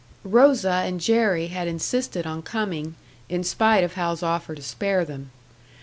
Rosa and Jerry had insisted on coming, in spite of Hal's offer to spare them.